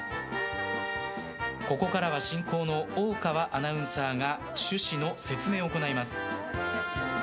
ここからは進行の大川アナウンサーが趣旨の説明を行います。